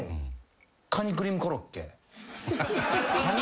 カニクリームコロッケ。